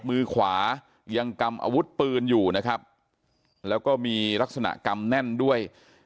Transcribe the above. มือขวายังกำอาวุธปืนอยู่นะครับแล้วก็มีลักษณะกำแน่นด้วย